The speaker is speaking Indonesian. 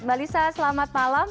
mbak lisa selamat malam